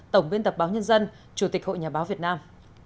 tổng biên tập báo nhân dân chủ tịch hội nhà báo việt nam